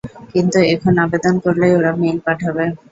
কিন্তু এখন আবেদন করলেই ওরা মেইল পাঠাবে।